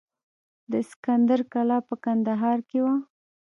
د اسکندر کلا په کندهار کې وه